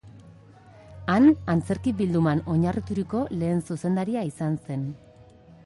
Han, antzerki bilduman oinarrituriko lehen zuzendaria izan zen.